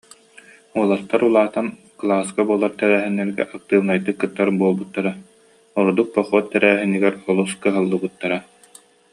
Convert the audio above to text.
Уолаттар улаатан, кылааска буолар тэрээһиннэргэ актыыбынайдык кыттар буолбуттара, ордук похуот тэрээһинигэр олус кыһаллыбыттара